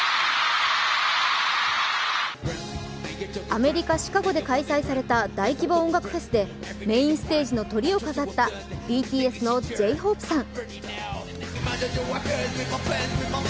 アメリカ・シカゴで開催された大規模音楽フェスでメインステージのトリを飾ったＢＴＳのＪ−ＨＯＰＥさん。